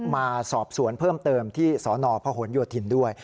มาสอบสวนเพิ่มเติมที่สนพหนโยธินด้วย